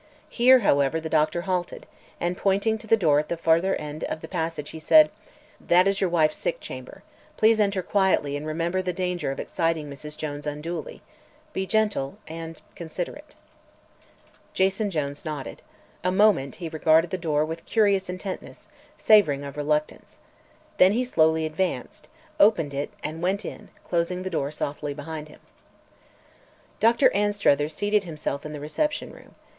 Here, however, the doctor halted, and pointing to the door at the further end of the passage he said: "That is your wife's sick chamber. Please enter quietly and remember the danger of exciting Mrs. Jones unduly. Be gentle, and considerate." Jason Jones nodded. A moment he regarded the door with curious intentness, savoring of reluctance. Then he slowly advanced, opened it and went in, closing the door softly behind him. Dr. Anstruther seated himself in the reception room.